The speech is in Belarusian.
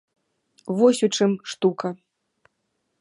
Вось у чым штука.